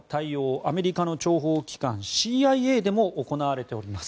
アメリカの諜報機関ＣＩＡでも行われております。